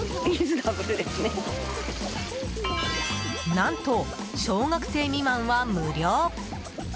何と、小学生未満は無料！